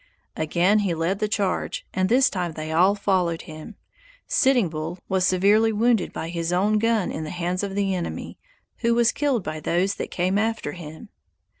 Again he led the charge, and this time they all followed him. Sitting Bull was severely wounded by his own gun in the hands of the enemy, who was killed by those that came after him.